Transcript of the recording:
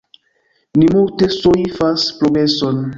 Ni multe soifas progreson.